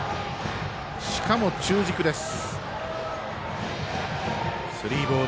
しかも、中軸です。